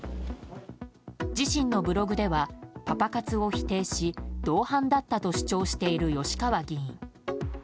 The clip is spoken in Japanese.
自身のブログではパパ活を否定し同伴だったと主張している吉川議員。